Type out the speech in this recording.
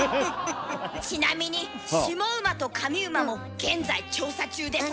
ちなみに下馬と上馬も現在調査中です。